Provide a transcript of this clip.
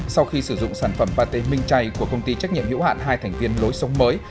sau khi sử dụng sản phẩm pate minh chay của công ty trách nhiệm hữu hạn hai thành viên lối sống mới